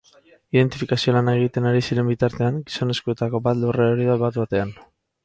Identifikazio lanak egiten ari ziren bitartean, gizonezkoetako bat lurrera erori da bat-batean.